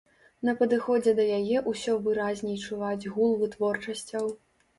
На падыходзе да яе ўсё выразней чуваць гул вытворчасцяў.